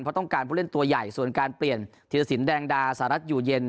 เพราะต้องการผู้เล่นตัวใหญ่ส่วนการเปลี่ยนธีรสินแดงดาสหรัฐอยู่เย็น